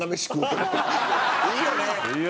いいよね。